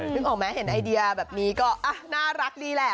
นึกออกไหมเห็นไอเดียแบบนี้ก็น่ารักดีแหละ